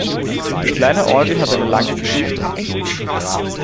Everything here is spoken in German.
Die kleine Orgel hat eine lange Geschichte.